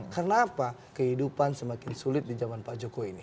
kenapa kehidupan semakin sulit di zaman pak jokowi ini